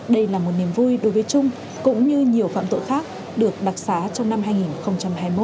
đây là một niềm vui đối với trung cũng như nhiều phạm tội khác được đặc xá trong năm hai nghìn hai mươi một